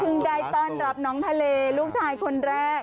ได้ต้อนรับน้องทะเลลูกชายคนแรก